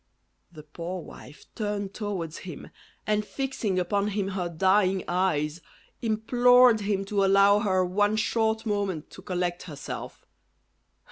The poor wife turned towards him, and fixing upon him her dying eyes, implored him to allow her one short moment to collect herself.